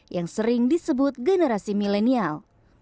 yang sering disebut generasi milenial